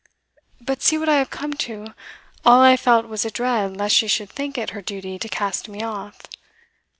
But see what I have come to; all I felt was a dread lest she should think it her duty to cast me off.